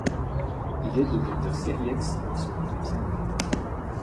Il aide le Docteur Sirieix dans son équipe sanitaire.